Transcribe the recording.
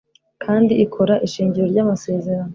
kandi ikora ishingiro ry’amasezerano